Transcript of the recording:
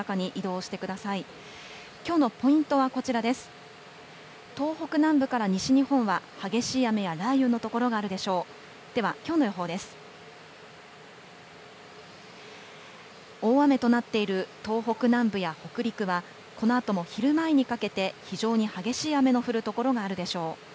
大雨となっている東北南部や北陸は、このあとも昼前にかけて、非常に激しい雨の降る所があるでしょう。